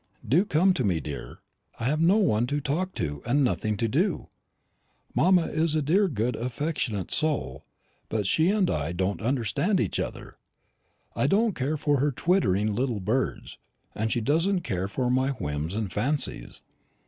Do come to me, dear. I have no one to talk to, and nothing to do. Mamma is a dear good affectionate soul; but she and I don't understand each other. I don't care for her twittering little birds, and she doesn't care for my whims and fancies.